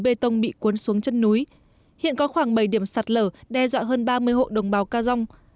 bê tông bị cuốn xuống chân núi hiện có khoảng bảy điểm sạt lở đe dọa hơn ba mươi hộ đồng bào ca dông